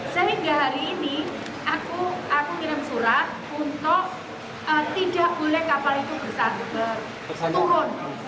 sehingga hari ini aku ngirim surat untuk tidak boleh kapal itu bersabar turun